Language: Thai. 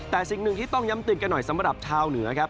แต่สิ่งหนึ่งที่ต้องย้ำเตือนกันหน่อยสำหรับชาวเหนือครับ